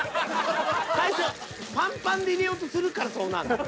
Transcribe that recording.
最初パンパンで入れようとするからそうなんねん。